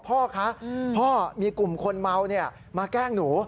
พ่อคะพ่อมีกลุ่มคนเมามาแกล้งหนู